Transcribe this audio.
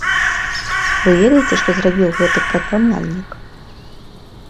Вы ведаеце што зрабіў гэты прадпрымальнік?